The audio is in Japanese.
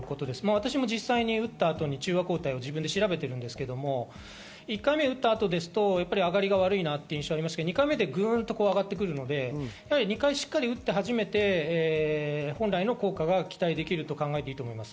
私も実際に打った後に自分で中和抗体を調べてみたんですが、１回目打った後では上がりが悪いんですが、２回目でグンと上がってくるので、２回しっかり打って初めて本来の効果が期待できると考えていいです。